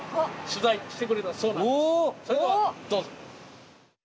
それではどうぞ。